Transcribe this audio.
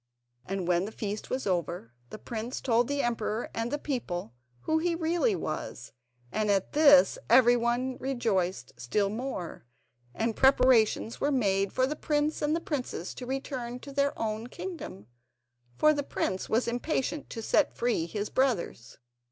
And when the feast was over, the prince told the emperor and the people who he really was, and at this everyone rejoiced still more, and preparations were made for the prince and princess to return to their own kingdom, for the prince was impatient to set free his brothers.